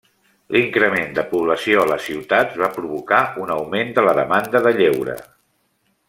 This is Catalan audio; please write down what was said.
L'increment de població a les ciutats va provocar un augment de la demanda de lleure.